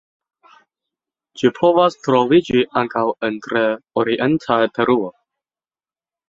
Ĝi povas troviĝi ankaŭ en tre orienta Peruo.